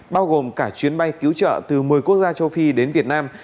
bao gồm cả chuyến bay cứu trợ từ một mươi quốc gia châu phi đến việt nam